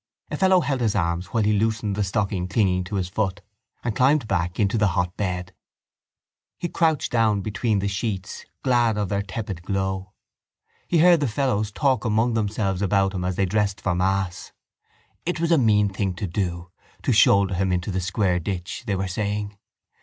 A fellow held his arms while he loosened the stocking clinging to his foot and climbed back into the hot bed. He crouched down between the sheets, glad of their tepid glow. He heard the fellows talk among themselves about him as they dressed for mass. It was a mean thing to do, to shoulder him into the square ditch, they were saying.